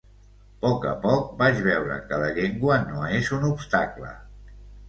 Poc a poc, vaig veure que la llengua no és un obstacle.